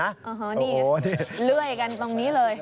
โอ้โหนี่เลื่อยกันตรงนี้เลย